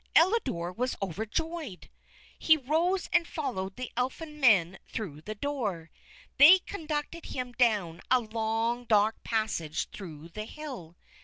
Elidore was overjoyed. He rose and followed the Elfin Men through the door. They conducted him down a long, dark passage through the hill.